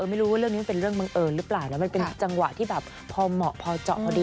ไม่รู้ว่าเรื่องนี้มันเป็นเรื่องบังเอิญหรือเปล่านะมันเป็นจังหวะที่แบบพอเหมาะพอเจาะพอดี